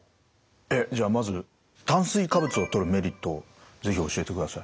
えっじゃあまず炭水化物をとるメリットを是非教えてください。